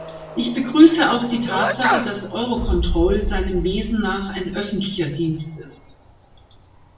Ich begrüße auch die Tatsache, dass Eurocontrol seinem Wesen nach ein öffentlicher Dienst ist.